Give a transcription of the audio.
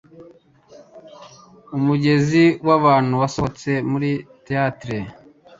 Umugezi wabantu wasohotse muri theatre.